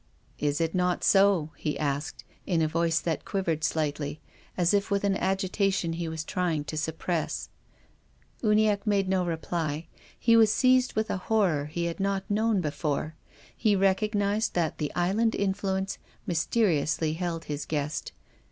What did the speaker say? " Is it not so? " he asked, in a voice that quiver ed slightly as if with an agitation he was trying to suppress, Uniacke made no reply. He was seized with a horror he had not known before. He recognised that the island influence mysteriously held his guest.